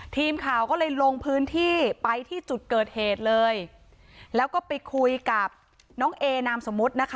ทีมข่าวก็เลยลงพื้นที่ไปที่จุดเกิดเหตุเลยแล้วก็ไปคุยกับน้องเอนามสมมุตินะคะ